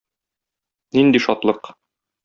Нинди шатлык!